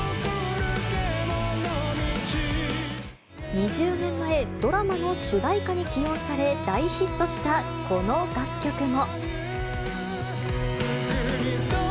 ２０年前、ドラマの主題歌に起用され、大ヒットしたこの楽曲も。